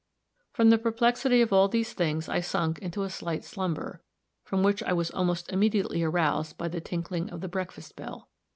From the perplexity of all these things I sunk into a slight slumber, from which I was almost immediately aroused by the tinkling of the breakfast bell.